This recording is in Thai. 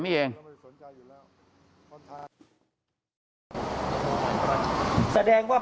เมื่อยครับเมื่อยครับ